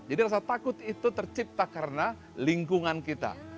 jadi rasa takut itu tercipta karena lingkungan kita